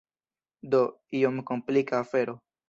Do, iom komplika afero.